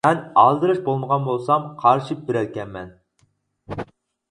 مەن ئالدىراش بولمىغان بولسام قارىشىپ بېرەركەنمەن.